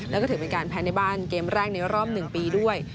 แล้วก็ถือเป็นการแพ้ในบ้านเกมแรกในรอบ๑ปีด้วย